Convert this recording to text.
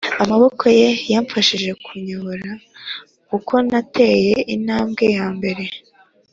amaboko ye yamfashije kunyobora uko nateye intambwe yambere.